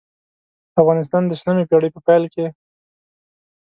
افغانستان د شلمې پېړۍ په پېل کې.